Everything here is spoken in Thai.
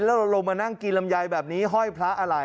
แล้วเราลงมานั่งกินลำไยแบบนี้ห้อยพระอะไร